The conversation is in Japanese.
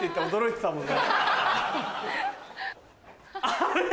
あれ！